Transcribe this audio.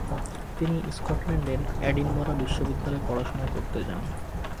তিনি স্কটল্যান্ডের এডিনবরা বিশ্ববিদ্যালয়ে পড়াশোনা করতে যান।